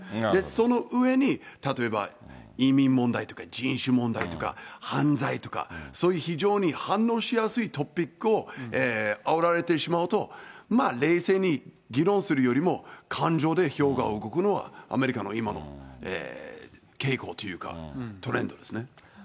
その上に、例えば、移民問題とか、人種問題とか、犯罪とか、そういう非常に反応しやすいトピックをあおられてしまうと、冷静に議論するよりも、感情で票が動くのは、アメリカの今の傾向というか、トレンドですね。